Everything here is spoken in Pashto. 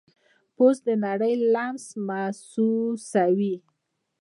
پوست د نړۍ لمس محسوسوي.